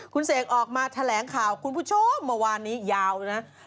คุณเสกออกมาแถลงข่าวคุณผู้ชมเมื่อวานนี้ยาวเลยนะ